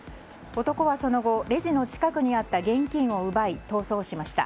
男はその後、レジの近くにあった現金を奪い逃走しました。